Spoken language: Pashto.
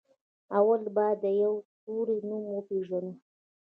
اول بايد د يوه توري نوم وپېژنو.